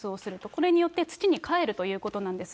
これによって、土にかえるということなんです。